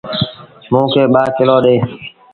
موݩ کي ٻآ ڪلو ڏي۔